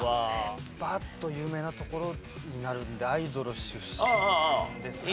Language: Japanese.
バッと有名なところになるんでアイドル出身ですかね。